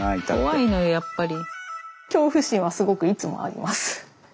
怖いのよやっぱり。